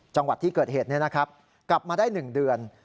จังหวัดที่เกิดเหตุกลับมาได้๑เดือน